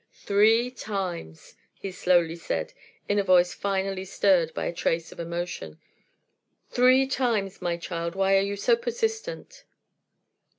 "Three times!" he slowly said, in a voice finally stirred by a trace of emotion. "Three times. My child, why are you so persistent?"